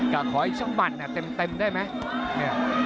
กระขอยช่องบรรเนี่ยเต็มได้ไหม